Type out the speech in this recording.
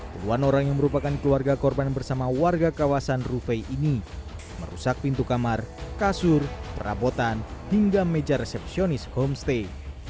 puluhan orang yang merupakan keluarga korban bersama warga kawasan rufai ini merusak pintu kamar kasur perabotan hingga meja resepsionis homestay